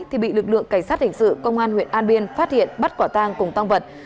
thì bị lực lượng cảnh sát hình sự công an huyện an biên phát hiện bắt quả tang cùng tăng vật